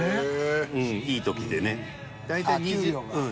うんいい時でね。